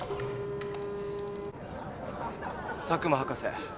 佐久間博士。